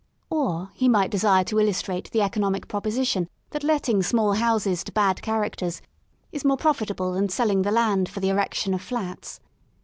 Or he might desire to illustrate the economic proposition that letting small houses to bad characters is more profitable than selling the land for the erection of flats.